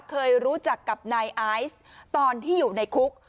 เคยรู้จักกับนายไอซ์ตอนที่อยู่ในคุก